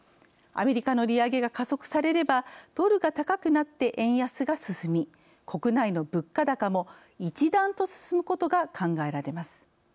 アメリカの利上げが加速されればドルが高くなって円安が進み国内の物価高も一段と進むことが考えられます。